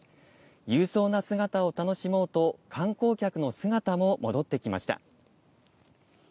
勇壮な姿を楽しもうと観光客の姿も戻ってきました。